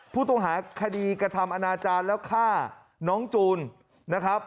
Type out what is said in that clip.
ผู้ต้องหาคดีกระทำอนาจารย์แล้วฆ่าน้องจูนนะครับ